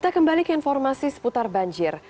kita kembali ke informasi seputar banjir